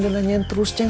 udah nanyain terus ceng